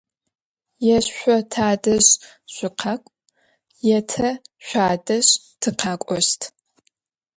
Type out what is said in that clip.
Yê şso tadej şsukhak'u, yê te şsuadej tıkhek'oşt.